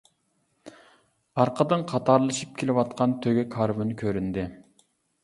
ئارقىدىن قاتارلىشىپ كېلىۋاتقان تۆگە كارۋىنى كۆرۈندى.